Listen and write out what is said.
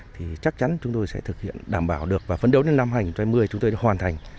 thì chắc chắn chúng tôi sẽ thực hiện đảm bảo được và phấn đấu đến năm hai nghìn hai mươi chúng tôi đã hoàn thành